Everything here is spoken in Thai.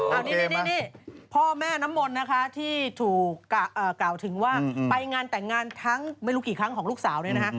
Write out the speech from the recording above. อันนี้พ่อแม่น้ำมนต์นะคะที่ถูกกล่าวถึงว่าไปงานแต่งงานทั้งไม่รู้กี่ครั้งของลูกสาวเนี่ยนะคะ